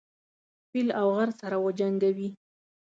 فيل او غر سره وجنګوي.